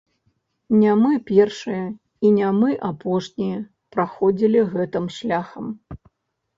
Не мы першыя і не мы апошнія праходзілі гэтым шляхам.